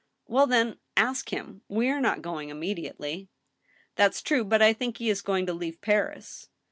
" Well, then, ask him. We are not going immediately." " That's true ; but I think he is going to leave Paris."